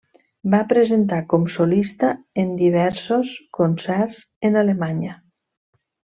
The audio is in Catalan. Va presentar com solista en diversos concerts en Alemanya.